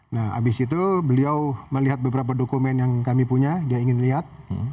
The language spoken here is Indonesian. nah abis itu beliau melihat beberapa dokumen yang kami punya dia ingin lihat